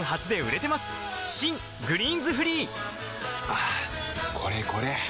はぁこれこれ！